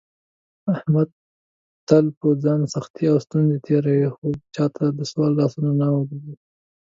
احمد تل په ځان سختې او ستونزې تېروي، خو چاته دسوال لاسونه نه اوږدوي.